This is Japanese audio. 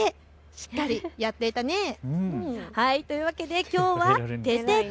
しっかりやっていたね。というわけで、きょうはててて！